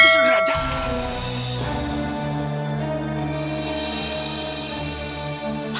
bisa sederajat gimana